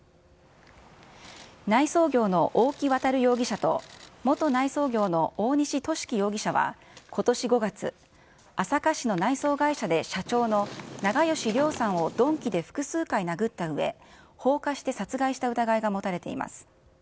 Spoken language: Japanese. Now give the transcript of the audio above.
内装業の大木渉容疑者と、元内装業の大西寿貴容疑者はことし５月、朝霞市の内装会社で社長の長葭良さんを鈍器で複数回殴ったうえ、放火して殺害した疑いが持たれています。